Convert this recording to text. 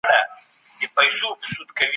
الکول د پانکراس سرطان رامنځ ته کوي.